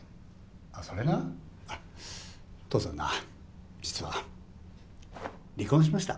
あそれな父さんな実は離婚しました。